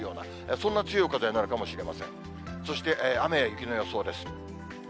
そして、雨や雪の予想です。